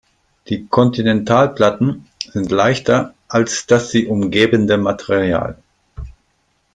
Die Kontinentalplatten sind leichter als das sie umgebende Material.